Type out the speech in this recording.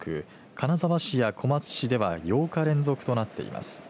金沢市や小松市では８日連続となっています。